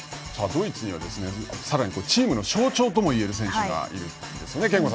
ドイツにはさらにチームの象徴といえる選手がいるんです。